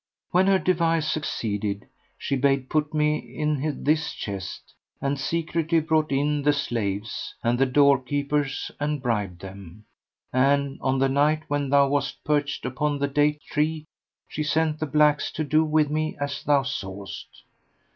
When her device succeeded, she bade put me in this chest, and secretly brought in the slaves and the doorkeepers and bribed them; and, on the night when thou wast perched upon the date tree, she sent the blacks to do with me as thou sawest.